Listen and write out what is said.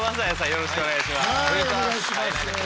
よろしくお願いします。